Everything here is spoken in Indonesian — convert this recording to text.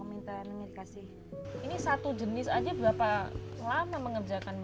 ini satu jenis aja berapa lama mengerjakan